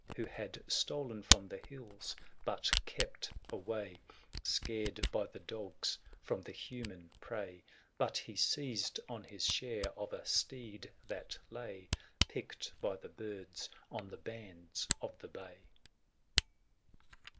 Who had stolen from the hills, but kept away, 430 Scared by the dogs, from the human prey ; THE SIEGE OF CORINTH. 27 » But he seized on bis share of a steed that lay, Picked by the birds, on the sands of the bay.